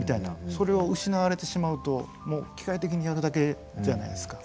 それを失われてしまうともう機械的にやるだけじゃないですか。